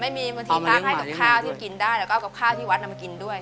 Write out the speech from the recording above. บางทีพระให้กับข้าวที่กินได้แล้วก็เอากับข้าวที่วัดมากินด้วย